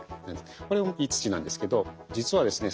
これもいい土なんですけど実はですね